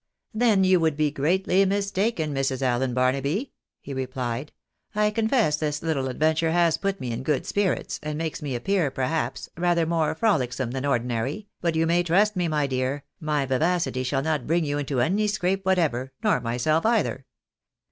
"Then you would be greatly mistaken, Mrs. Allen Barnaby," he replied. "I confess this little adventure has put me in good spirits, and makes me appear, perhaps, rather more frolicsome than ordinary, but you may trust me, my dear, my vivacity shall not bring you into any scrape whatever, nor myself either.